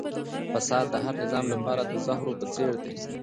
فساد د هر نظام لپاره د زهرو په څېر دی.